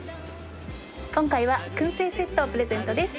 今回は燻製セットをプレゼントです。